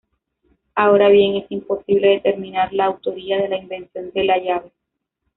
Ahora bien, es imposible determinar la autoría de la invención de la llave.